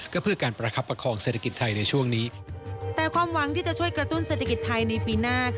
ก็เพื่อการประคับประคองเศรษฐกิจไทยในช่วงนี้